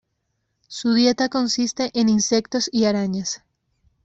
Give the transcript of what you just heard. Su dieta consiste en insectos y arañas.